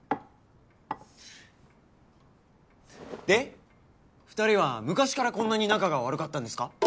で２人は昔からこんなに仲が悪かったんですか？